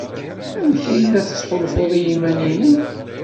Amek ay la tettḥulfuḍ i yiman-nnem?